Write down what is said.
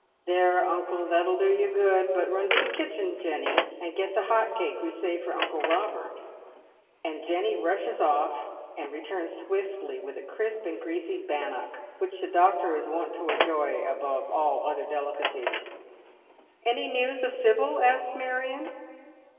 "There, uncle, that'll do you good. Run to the kitchen, Jenny, and get the hot cake we saved for uncle Eobert ;" and Jenny rushes off and returns swiftly with a crisp and greasy bannock, ■which the doctor is wont to enjoy above all other dehcaciea. " Any news of Sibyl ?" asks Marion.